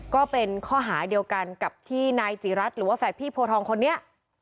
ก็เป็นข้อหาเดียวกันกับที่นายจิรัตน์หรือว่าแฝดพี่โพทองคนนี้